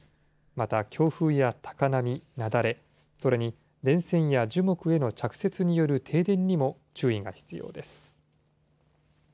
また強風や高波、雪崩、それに電線や樹木への着雪による停電にも注意が必要です。